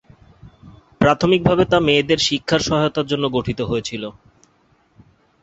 প্রাথমিকভাবে তা মেয়েদের শিক্ষার সহায়তার জন্য গঠিত হয়েছিল।